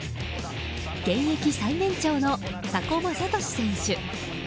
現役最年長の佐古雅俊選手。